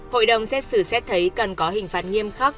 hội đồng xét xử xét thấy cần có hình phạt nghiêm khắc